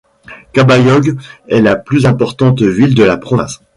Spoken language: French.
Cabayog est la plus importante ville de la province.